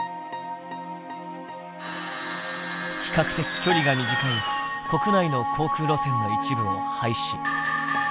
比較的距離が短い国内の航空路線の一部を廃止。